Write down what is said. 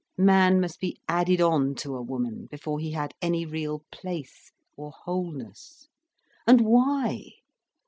Man must be added on to a woman, before he had any real place or wholeness. And why?